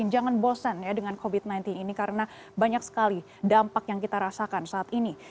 jangan bosan ya dengan covid sembilan belas ini karena banyak sekali dampak yang kita rasakan saat ini